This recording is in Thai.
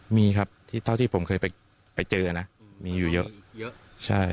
มีครับเท่าที่ผมเคยไปเจอนะมีอยู่เยอะ